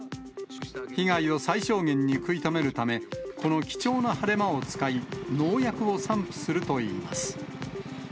被害を最小限に食い止めるため、この貴重な晴れ間を使い、農薬を散布するといいます。